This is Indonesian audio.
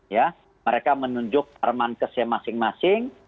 ya mereka menunjuk parman kese masing masing